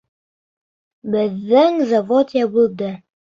Беҙҙең завод ябылды.